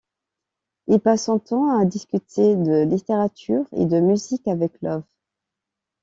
Il passe son temps à discuter de littérature et de musique avec Love.